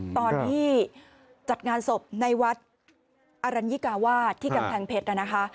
ตอนที่จัดงานศพในวัดอรัญญิกาวาสที่กำแพงเพชรนะคะ